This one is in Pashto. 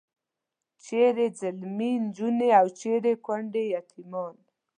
چیرې ځلمي نجونې او چیرې کونډې یتیمان.